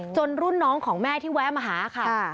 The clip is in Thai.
รุ่นน้องของแม่ที่แวะมาหาค่ะ